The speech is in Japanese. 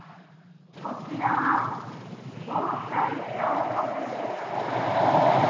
「こちらは防災ヤオロズです」